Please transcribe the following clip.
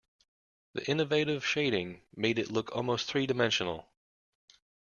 The innovative shading made it look almost three-dimensional.